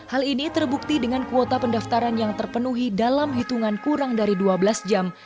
hal ini terbukti dengan kuota pendaftaran yang terpenuhi dalam hitungan kurang dari dua belas jam